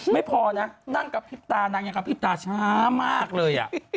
ไม่พอนะนั่งกับพิษตานั่งอย่างกับพิษตาช้ามากเลย